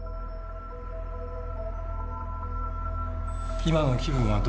今の気分はどう？